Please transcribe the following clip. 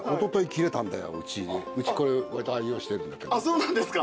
そうなんですか。